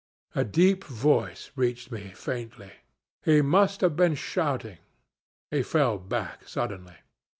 A deep voice reached me faintly. He must have been shouting. He fell back suddenly.